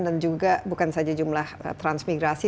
dan juga bukan saja jumlah transmigrasi